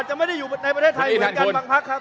คุณจิลายุเขาบอกว่ามันควรทำงานร่วมกัน